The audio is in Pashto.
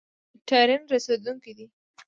ټرین رسیدونکی دی